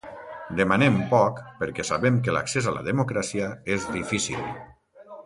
Demanem poc perquè sabem que l’accés a la democràcia és difícil.